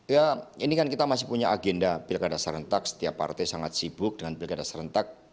ya ini kan kita masih punya agenda pilkada serentak setiap partai sangat sibuk dengan pilkada serentak